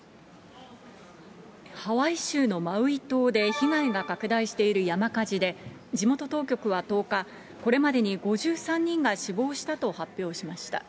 ハワイ州のマウイ島で被害が拡大している山火事で、地元当局は１０日、これまでに５３人が死亡したと発表しました。